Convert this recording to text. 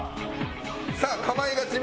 さあ『かまいガチ』